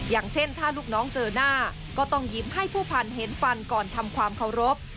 อย่างเช่นถ้าลูกน้องเจอหน้าก็ต้องยิ้มให้ผู้พันเห็นฟันก่อนทำความเคารพ